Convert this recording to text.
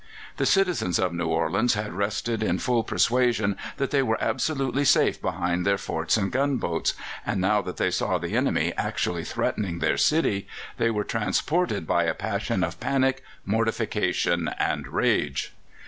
The citizens of New Orleans had rested in full persuasion that they were absolutely safe behind their forts and gunboats, and now that they saw the enemy actually threatening their city, they were transported by a passion of panic, mortification, and rage.